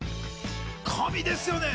神ですよね。